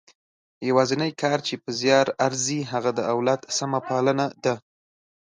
یوازنۍ کار چې په زیار ارزي هغه د اولاد سمه پالنه ده.